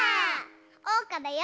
おうかだよ！